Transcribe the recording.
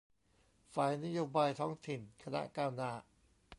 ฝ่ายนโยบายท้องถิ่นคณะก้าวหน้า